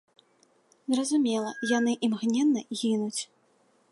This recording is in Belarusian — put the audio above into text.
Зразумела, яны імгненна гінуць.